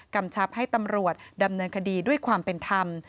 กำชับให้ตำรวจดำเนินคดีด้วยความเป็นธรรม